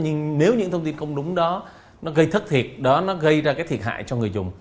nhưng nếu những thông tin không đúng đó gây thất thiệt gây ra thiệt hại cho người dùng